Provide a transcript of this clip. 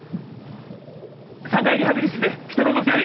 ３階リハビリ室で人の動きあり！